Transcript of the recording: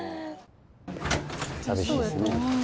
寂しいですね。